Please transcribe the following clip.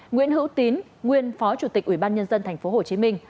nguyễn hữu tín nguyên phó chủ tịch ủy ban nhân dân tp hcm